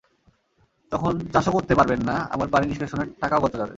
তখন চাষও করতে পারবেন না, আবার পানি নিষ্কাশনের টাকাও গচ্চা যাবে।